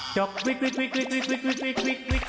จกวิกวิกวิกวิกวิกวิก